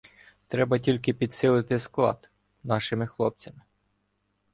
Треба тільки підсилити склад нашими хлопцями.